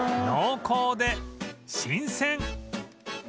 濃厚で新鮮